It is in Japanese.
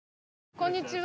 こんにちは。